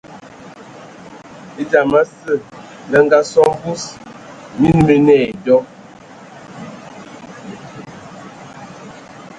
E dzam asǝ lə ngasō a mvus, mina mii nə ai dɔ.